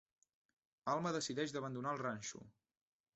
Alma decideix d'abandonar el ranxo.